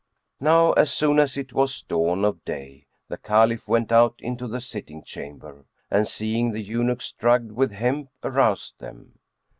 "[FN#95] Now as soon as it was dawn of day, the Caliph went out into the sitting chamber; and, seeing the eunuchs drugged with hemp, aroused them.